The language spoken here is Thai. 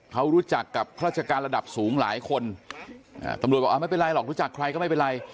เขารู้จักกับราชการระดับสูงหลายคนตำรวจบอกไม่เป็นไรหรอกรู้จักใครก็ไม่เป็นไร